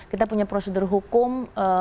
kita punya prosedur hukum